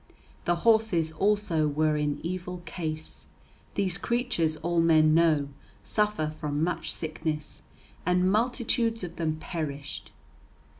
The horses also were in evil case. These creatures, all men know, suffer from much sickness, and multitudes of them perished.